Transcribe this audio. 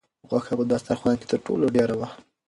غوښه په دسترخوان کې تر ټولو ډېره وه.